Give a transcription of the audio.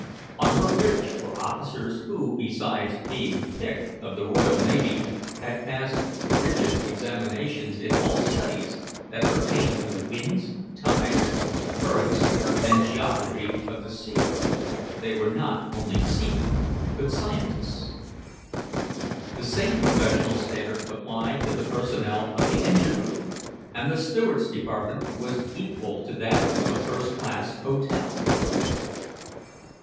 On her bridge were officers, who, besides being the pick of the Royal Navy, had passed rigid examinations in all studies that pertained to the winds, tides, currents, and geography of the sea; they were not only seamen, but scientists. The same professional standard applied to the personnel of the engine room, and the steward's department was equal to that of a first class hotel.